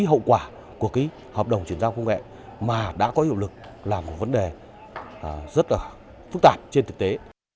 cái hậu quả của cái hợp đồng chuyển giao công nghệ mà đã có hiệu lực là một vấn đề rất là phức tạp trên thực tế